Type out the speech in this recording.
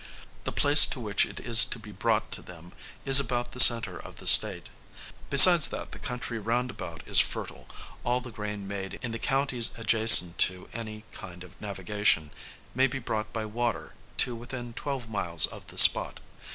The place to which it is to be brought to them, is about the centre of the State. Besides that the country round about is fertile, all the grain made in the counties adjacent to any kind of navigation, may be brought by water to within twelve miles of the spot.